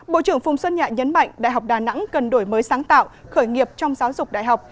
bộ trưởng phùng xuân nhạ nhấn mạnh đại học đà nẵng cần đổi mới sáng tạo khởi nghiệp trong giáo dục đại học